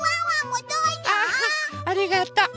ありがとう。